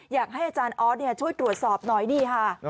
อยากให้อาจารย์ออสช่วยตรวจสอบหน่อยนี่ค่ะ